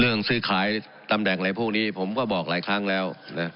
ซื้อขายตำแหน่งอะไรพวกนี้ผมก็บอกหลายครั้งแล้วนะ